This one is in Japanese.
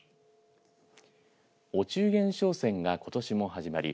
お中元商戦が、ことしも始まり